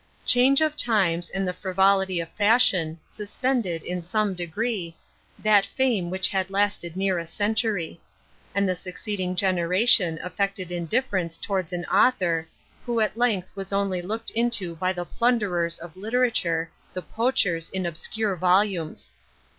Change of times, and the frivolity of fashion, suspended, in some degree, that fame which had lasted near a century; and the succeeding generation affected indifference towards an author, who at length was only looked into by the plunderers of literature, the poachers in obscure volumes.